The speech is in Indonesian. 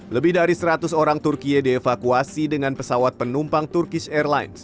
lebih dari seratus orang turkiye dievakuasi dengan pesawat penumpang turkish airlines